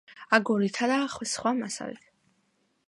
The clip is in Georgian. აგურითა და სხვა მასალით.